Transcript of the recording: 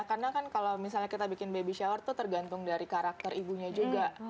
karena kan kalau misalnya kita bikin baby shower tuh tergantung dari karakter ibunya juga